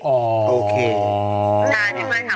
ออค่ะ